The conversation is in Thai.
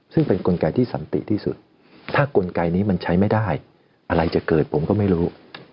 ซึ่งเป็นกลไกที่สันติที่สุดถ้ากลไกนี้มันใช้ไม่ได้อะไรจะเกิดผมก็ไม่รู้